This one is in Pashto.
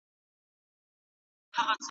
استاد کاروان د غرونو او اوبو ښکلي تصویرونه لري.